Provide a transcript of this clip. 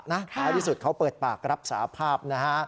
แล้วที่สุดเขาเปิดปากรับสาภาพ